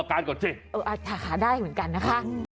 อาจจะขาได้เหมือนกันนะคะ